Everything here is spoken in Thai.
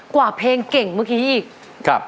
กว่าเพลงเก่งเมื่อกี้อีก